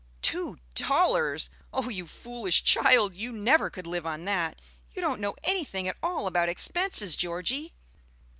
"Two dollars! oh, you foolish child! You never could live on that! You don't know anything at all about expenses, Georgie."